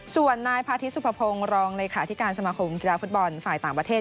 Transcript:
ส่วนนายพาทิตสุภพงศ์รองเลขาธิการสมาคมกีฬาฟุตบอลฝ่ายต่างประเทศ